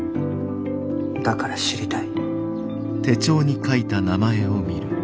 だから知りたい。